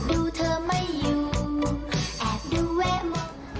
สูตรดูเธอไม่อยู่